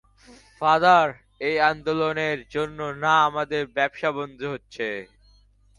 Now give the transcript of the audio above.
Father, এই আন্দোলনের জন্য না আমাদের ব্যবসা বন্ধ হচ্ছে।